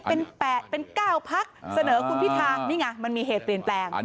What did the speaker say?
เป็น๘เป็น๙พักเสนอคุณพิธานี่ไงมันมีเหตุเปลี่ยนแปลง